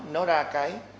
nó ra cái